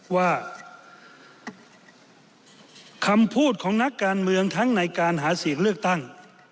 ว่าคำพูดของนักการเมืองทั้งในการหาเสียงเลือกตั้ง